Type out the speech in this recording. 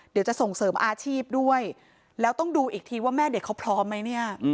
เดี๋ยวจะส่งเสริมอาชีพด้วยแล้วต้องดูอีกทีว่าแม่เด็กเขาพร้อมไหมเนี่ย